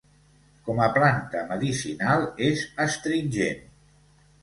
Com a planta medicinal és astringent.